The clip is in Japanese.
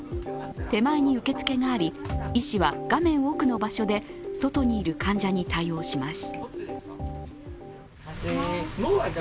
手前に受付があり、医師は画面奥の場所で外にいる患者に対応します。